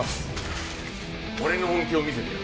俺の本気を見せてやる。